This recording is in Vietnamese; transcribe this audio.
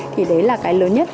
thì đấy là cái lớn nhất